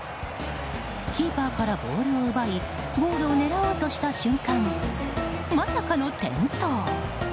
キーパーからボールを奪いゴールを奪おうとした瞬間まさかの転倒。